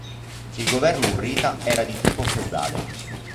Il governo hurrita era di tipo feudale.